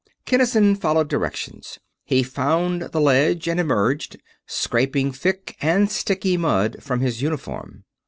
Kinnison followed directions. He found the ledge and emerged, scraping thick and sticky mud from his uniform.